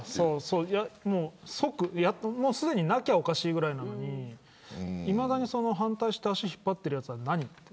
すでになきゃおかしいぐらいなのにいまだに反対して足を引っ張ってるやつは何と。